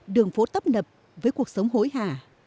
đường phố tấp nập với cuộc sống hối hả